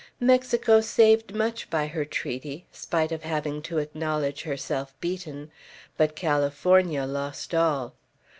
Mexico saved much by her treaty, spite of having to acknowledge herself beaten; but California lost all.